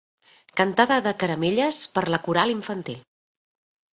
Cantada de caramelles per la coral infantil.